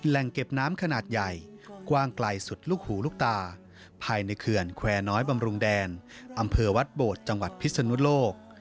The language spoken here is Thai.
แหล่งเก็บน้ำขนาดใหญ่กว้างไกลสุดลูกหูลูกตาภายในเขื่อนแควร์น้อยบำรุงแดนอำเภอวัดโบดจังหวัดพิศนุโลก